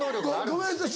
ごめんなさい